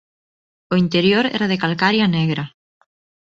O interior era de calcaria negra.